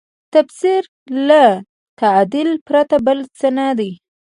تفسیر له تعدیله پرته بل څه نه دی.